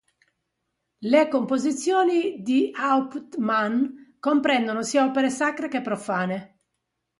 Le composizioni di Hauptmann comprendono sia opere sacre che profane.